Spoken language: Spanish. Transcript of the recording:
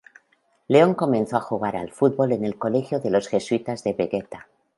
León comenzó a jugar al fútbol en el Colegio de los Jesuitas de Vegueta.